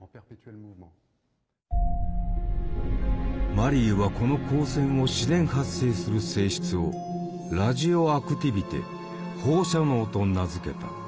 マリーはこの「光線を自然発生する性質」を「ラジオアクティビテ放射能」と名付けた。